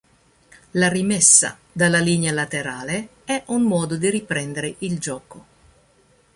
La rimessa dalla linea laterale è un modo di riprendere il gioco.